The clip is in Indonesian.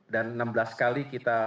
dan enam belas kali kita